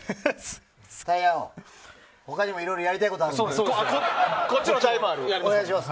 タイヤ王他にもいろいろやりたいことあるので。